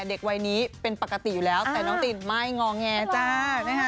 เด็กวัยนี้เป็นปกติอยู่แล้วแต่น้องตินไม่งอแงจ้า